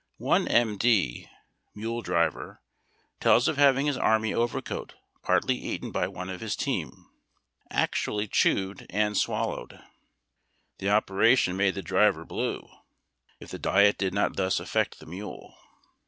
One m. d. (mule driver) tells of having his army overcoat partly eaten by one of his team — actually chewed and swallowed. The operation made the driver blue, if the diet did not thus affect the mule.